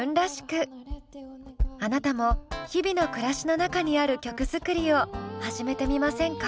あなたも日々の暮らしの中にある曲作りを始めてみませんか？